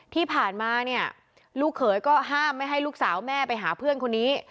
ที่ผ่านมาเนี่ยลูกเขยก็ห้ามไม่ให้ลูกสาวแม่ไปหาเพื่อนคนนี้